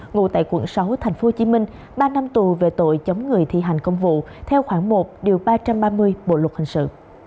ngụ tại quận sáu tp hcm ba năm tù về tội chống người thi hành công vụ theo khoảng một điều ba trăm ba mươi bộ luật hình sự